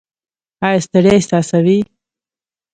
ایا ستړیا احساسوئ؟